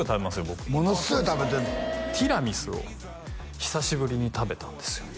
僕ものすごい食べてるのティラミスを久しぶりに食べたんですよ